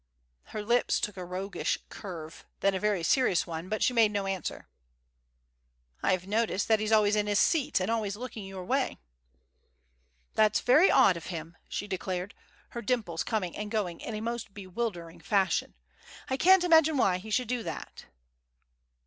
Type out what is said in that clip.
Her lips took a roguish curve then a very serious one; but she made no answer. "I have noticed that he's always in his seat and always looking your way." "That's very odd of him," she declared, her dimples coming and going in a most bewildering fashion. "I can't imagine why he should do that."